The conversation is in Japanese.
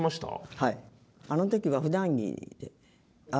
はい。